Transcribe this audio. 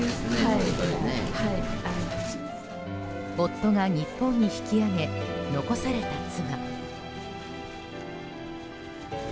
夫が日本に引き揚げ残された妻。